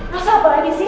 masa apa ini sih